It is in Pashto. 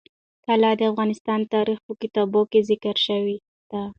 طلا د افغان تاریخ په کتابونو کې ذکر شوی دي.